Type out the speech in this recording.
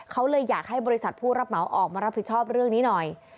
เขาเลยอยากให้บริษัทผู้รับเหมาออกมารับผิดชอบเรื่องนี้หน่อย